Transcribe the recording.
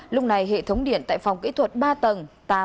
lúc này hệ thống điện tại phòng kỹ thuật ba tầng